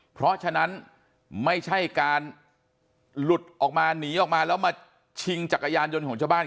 เพราะฉะนั้นไม่ใช่การหลุดออกมาหนีออกมาแล้วมาชิงจักรยานยนต์ของชาวบ้าน